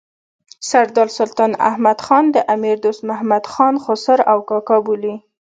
سردار سلطان احمد خان د امیر دوست محمد خان خسر او کاکا بولي.